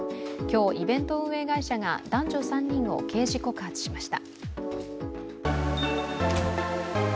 今日、イベント運営会社が男女３人を刑事告発しました。